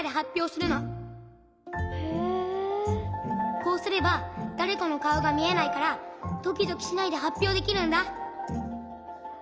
こうすればだれかのかおがみえないからドキドキしないではっぴょうできるんだ。